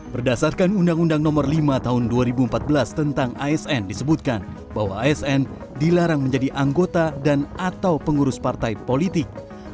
berdasarkan undang undang nomor lima tahun dua ribu empat belas tentang asn disebutkan bahwa asn dilarang menjadi anggota dan atau pengurus partai politik